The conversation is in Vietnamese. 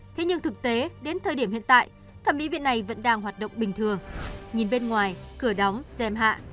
thế nhưng thực tế đến thời điểm hiện tại thẩm mỹ viện này vẫn đang hoạt động bình thường nhìn bên ngoài cửa đóng dèm hạ